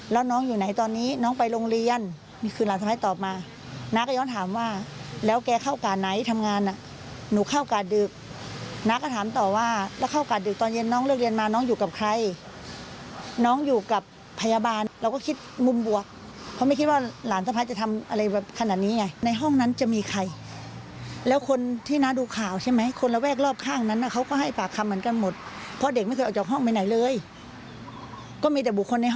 แล้วน้องอยู่ไหนตอนนี้น้องไปโรงเรียนนี่คือหลานสะพายตอบมาน้าก็ย้องถามว่าแล้วแกเข้าก่าไหนทำงานน่ะหนูเข้าก่าดึกน้าก็ถามต่อว่าแล้วเข้าก่าดึกตอนเย็นน้องเลือกเรียนมาน้องอยู่กับใครน้องอยู่กับพยาบาลเราก็คิดมุมบวกเพราะไม่คิดว่าหลานสะพายจะทำอะไรแบบขนาดนี้ไงในห้องนั้นจะมีใครแล้วคนที่น้าดูข่าวใช่ไหมคน